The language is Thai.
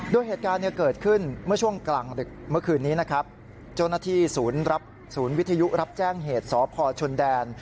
โดยเหตุการณ์เกิดขึ้นเมื่อช่วงกลางดึกเมื่อคืนนี้นะครับเจ้าหน้าที่ศูนย์รับศูนย์วิทยุรับแจ้งเหตุสพชนแดน